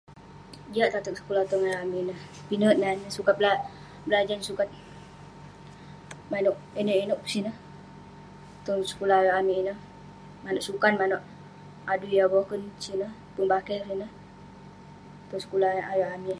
jiak tateg sekulah tong ayuk amik ineh, pinek nan neh, sukat belajan, sukat manouk inouk inouk sineh, tong sekulah eh ayuk amik ineh, manouk sukan manouk adui yah boken sineh, pun bakeh sineh, tong sekulah ayuk amik.